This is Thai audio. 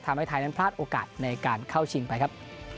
ทำให้ไทยนั้นพลาดโอกาสในการเข้าชิงไปครับ